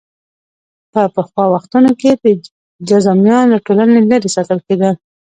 په پخوا وختونو کې جذامیان له ټولنې لرې ساتل کېدل.